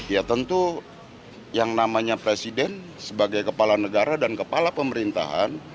ya tentu yang namanya presiden sebagai kepala negara dan kepala pemerintahan